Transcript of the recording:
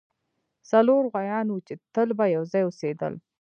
څلور غوایان وو چې تل به یو ځای اوسیدل.